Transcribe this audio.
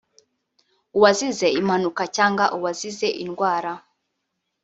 uwazize impanuka cyangwa uwazize indwara